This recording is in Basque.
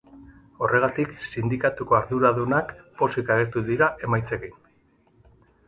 Horregatik, sindikatuko arduradunak pozik agertu dira emaitzekin.